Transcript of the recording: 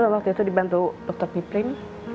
waktu itu dibantu dokter piprim